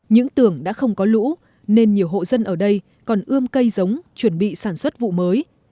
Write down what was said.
những tường đã không có lũ nên nhiều hộ dân ở đây còn ươm cây giống chuẩn bị sản xuất vụ mới